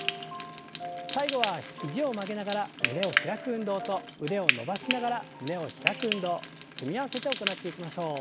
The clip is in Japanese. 最後は肘を曲げながら胸を開く運動と腕を伸ばしながら胸を開く運動組み合わせて行っていきましょう。